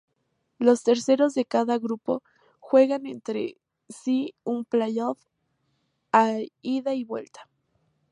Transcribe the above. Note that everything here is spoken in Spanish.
Los terceros de cada grupo juegan entre sí un play-off a ida y vuelta.